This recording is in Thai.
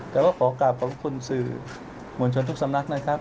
แต่ว่าขอกลับขอบคุณสื่อมวลชนทุกสำนักนะครับ